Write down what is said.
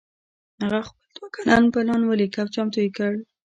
هغه خپل دوه کلن پلان وليکه او چمتو يې کړ.